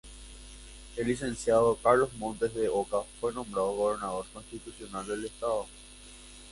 El licenciado Carlos Montes de Oca fue nombrado Gobernador Constitucional del Estado.